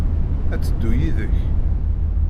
Ad teddu yid-k?